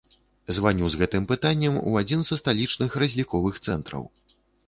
Званю з гэтым пытаннем у адзін са сталічных разліковых цэнтраў.